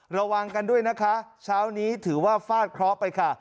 ระวังกันด้วยนะคะเช้านี้ถือว่าฟาดเคราะห์ไปค่ะ